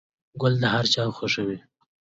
گل د هر چا خوښ وي.